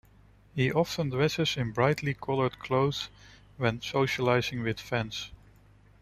He often dresses in brightly colored clothes when socializing with fans.